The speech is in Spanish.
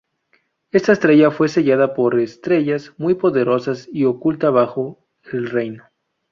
Esta estrella fue sellada por estrellas muy poderosas y oculta bajo el reino.